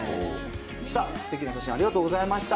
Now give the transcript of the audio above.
さあ、すてきな写真、ありがとうございました。